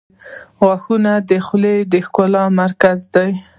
• غاښونه د خولې د ښکلا مرکز دي.